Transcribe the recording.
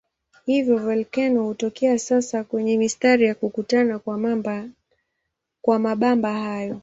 Hivyo volkeno hutokea hasa kwenye mistari ya kukutana kwa mabamba hayo.